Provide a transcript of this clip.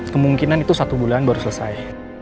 kemungkinan itu satu bulan baru selesai